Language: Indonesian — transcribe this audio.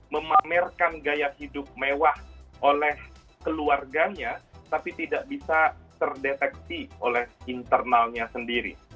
memamerkan gaya hidup mewah oleh keluarganya tapi tidak bisa terdeteksi oleh internalnya sendiri